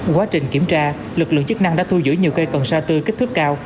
quá trình kiểm tra lực lượng chức năng đã thu giữ nhiều cây cần sa tư kích thước cao